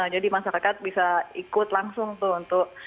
jadi masyarakat bisa ikut langsung tuh untuk